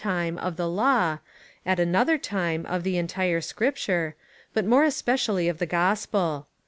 431 at anotlier time, of the entire Scripture, but more especially of the gospel.